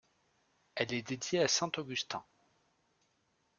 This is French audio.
Elle est dédiée à saint Augustin.